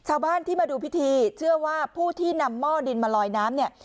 ชาวบ้านที่มาดูพิธีเชื่อว่าผู้ที่นำหม้อดินมาลอยน้ำเนี่ย